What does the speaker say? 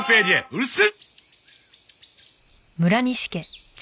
うるせえ！